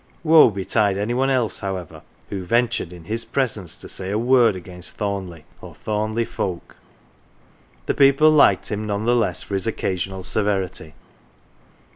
(Woe betide any one else, however, who ventured in his presence to say a word against Thornleigh, or Thornleigh folk !) The 15 THORNLEIGH people liked him none the less for his occasional severity.